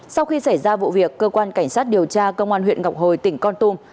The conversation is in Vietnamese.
sau khi xảy ra vụ việc cơ quan cảnh sát điều tra công an huyện ngọc hồi tỉnh con tum